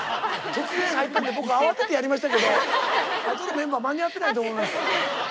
突然入ったんで僕慌ててやりましたけどあとのメンバー間に合ってないと思います。